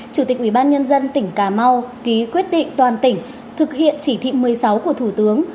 chủ tịch ubnd tỉnh cà mau ký quyết định toàn tỉnh thực hiện chỉ thị một mươi sáu của thủ tướng